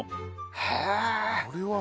へえ。